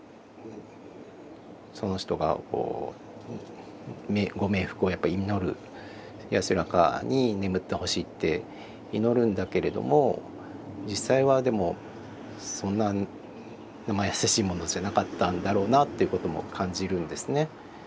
その人がご冥福を祈る安らかに眠ってほしいって祈るんだけれども実際はでもそんななまやさしいものじゃなかったんだろうなっていうことも感じるんですね。